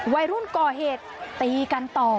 วัยรุ่นก่อเหตุตีกันต่อ